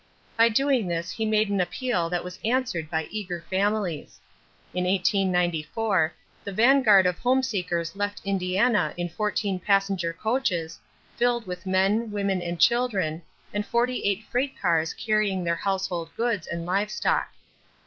By doing this he made an appeal that was answered by eager families. In 1894 the vanguard of home seekers left Indiana in fourteen passenger coaches, filled with men, women, and children, and forty eight freight cars carrying their household goods and live stock.